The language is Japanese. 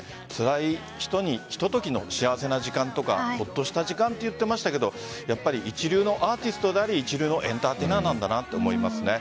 つらい人にひとときの幸せな時間とかホッとした時間と言ってましたが一流のアーティストであり一流のエンターテイナーなんだなと思います。